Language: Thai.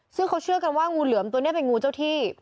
ซึ่งเขาเชื่อกันว่างูเหลือมตัวนี้เป็นงูเจ้าที่